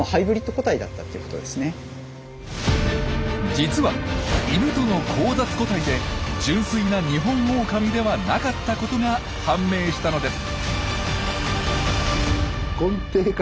実はイヌとの交雑個体で純粋なニホンオオカミではなかったことが判明したのです。